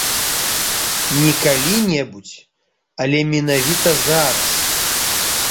Не калі-небудзь, але менавіта зараз.